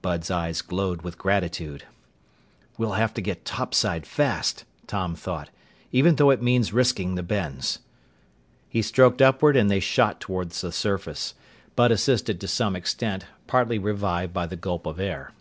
Bud's eyes glowed with gratitude. "We'll have to get topside fast," Tom thought, "even though it means risking the bends." He stroked upward and they shot toward the surface. Bud assisted to some extent, partly revived by the gulp of air.